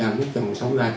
và đặc biệt là trong dịp hè